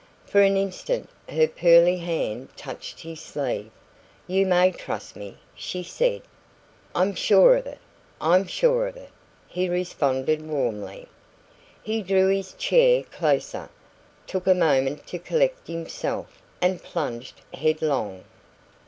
For an instant her pearly hand touched his sleeve. "You may trust me," she said. "I'm sure of it I'm sure of it," he responded warmly. He drew his chair closer, took a moment to collect himself, and plunged headlong.